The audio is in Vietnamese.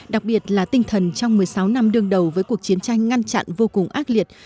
đặc biệt là tinh thần trong một mươi sáu năm đương đầu với cuộc chiến tranh ngăn chặn vô cùng ác liệt